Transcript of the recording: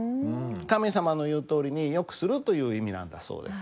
神様の言うとおりに善くするという意味なんだそうです。